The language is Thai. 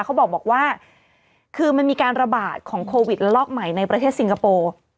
เขาบอกว่าคือมันมีการระบาดของโควิดละลอกใหม่ในประเทศสิงคโปร์